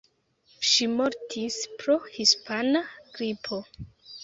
Ŝi mortis pro hispana gripo.